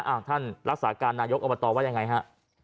อ่าท่านรักษาการนายกเอามาตอบว่าอย่างไรฮะ